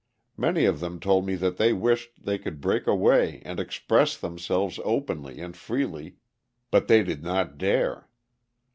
Many of them told me that they wished they could break away and express themselves openly and freely, but they did not dare.